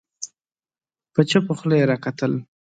په چوپه خوله يې راکتل